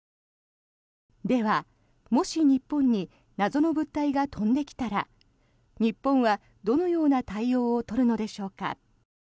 では、もし日本に謎の物体が飛んで来たら日本はどのような対応を取るのでしょうか。